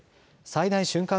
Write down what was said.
最大瞬間